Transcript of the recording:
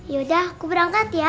yaudah aku berangkat ya